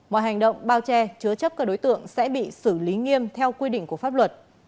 mọi hành động bao che chứa chấp các đối tượng sẽ bị xử lý nghiêm theo quy định của pháp luật